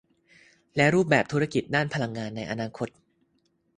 และรูปแบบธุรกิจด้านพลังงานในอนาคต